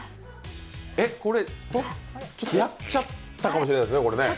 えっ、これ、やっちゃったかもしれないですね、これね。